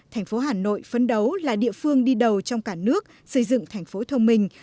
thành phố hà nội phấn đấu là địa phương đi đầu trong cả nước xây dựng thành phố thông minh